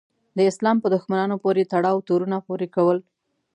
د اسلام په دښمنانو پورې تړاو تورونه پورې کول.